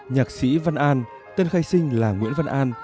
nhạc sĩ văn an tên khai sinh là nguyễn văn an